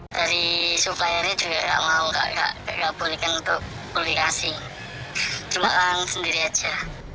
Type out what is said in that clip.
dari suppliernya juga gak mau gak bolehkan untuk publikasi cuma kalangan sendiri aja